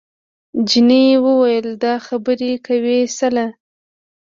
جینۍ وویل دا خبرې کوې څله؟